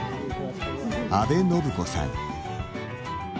阿部展子さん。